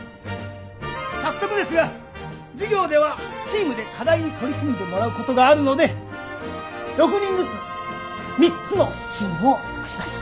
早速ですが授業ではチームで課題に取り組んでもらうことがあるので６人ずつ３つのチームを作ります。